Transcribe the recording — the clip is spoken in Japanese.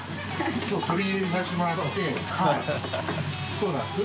そうなんです。